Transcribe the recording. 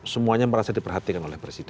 semuanya merasa diperhatikan oleh presiden